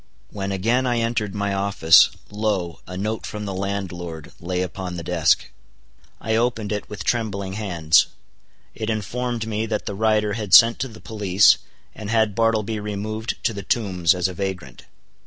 When again I entered my office, lo, a note from the landlord lay upon the desk. I opened it with trembling hands. It informed me that the writer had sent to the police, and had Bartleby removed to the Tombs as a vagrant.